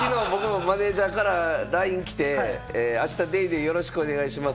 きのうマネジャーからＬＩＮＥ来て『ＤａｙＤａｙ．』よろしくお願いします。